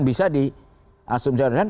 bisa di asumsi iran